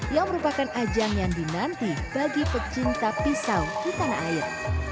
yang merupakan ajang yang dinanti bagi pecinta pisau di tanah air